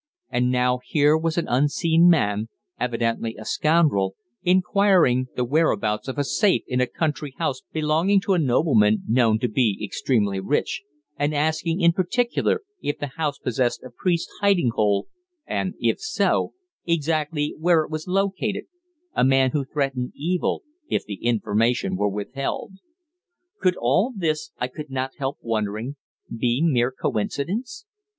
And now here was an unseen man, evidently a scoundrel, inquiring the whereabouts of a safe in a country house belonging to a nobleman known to be extremely rich, and asking in particular if the house possessed a priests' hiding hole, and if so, exactly where it was located a man who threatened evil if the information were withheld. Could all this, I could not help wondering, be mere coincidence?